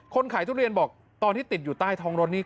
ขายทุเรียนบอกตอนที่ติดอยู่ใต้ท้องรถนี่